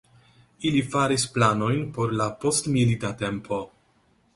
Ili faris planojn por la postmilita tempo.